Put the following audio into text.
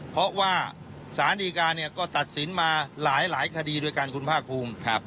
เพราะว่าสารดีการเนี่ยก็ตัดสินมาหลายคดีด้วยกันคุณภาคภูมิ